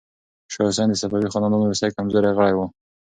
شاه حسین د صفوي خاندان وروستی کمزوری غړی و.